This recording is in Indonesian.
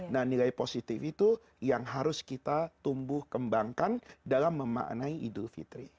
nah nilai positif itu yang harus kita tumbuh kembangkan dalam memaknai idul fitri